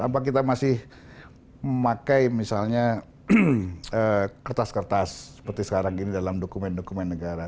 apa kita masih memakai misalnya kertas kertas seperti sekarang ini dalam dokumen dokumen negara